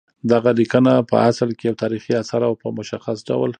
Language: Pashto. دغه لیکنه پع اصل کې یو تاریخي اثر او په مشخص ډول